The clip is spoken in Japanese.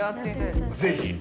ぜひ。